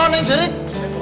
kau tau neng ceritain